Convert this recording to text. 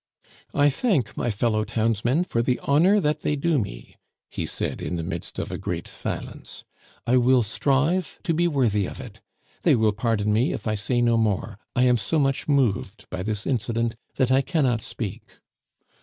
"I thank my fellow townsmen for the honor that they do me," he said in the midst of a great silence; "I will strive to be worthy of it; they will pardon me if I say no more; I am so much moved by this incident that I cannot speak."